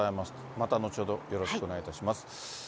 また後ほど、よろしくお願いいたします。